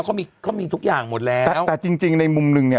เขามีเขามีทุกอย่างหมดแล้วแต่จริงจริงในมุมหนึ่งเนี่ย